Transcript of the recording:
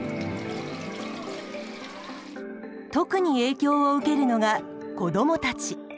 特に影響を受けるのが子どもたち。